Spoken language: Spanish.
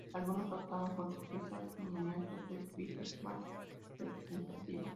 Algunos optaron por sus paisajes, monumentos o edificios más representativos.